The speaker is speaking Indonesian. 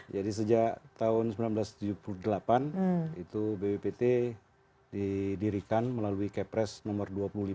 jadi sejak tahun seribu sembilan ratus tujuh puluh delapan bppt didirikan melalui kepres nomor dua puluh lima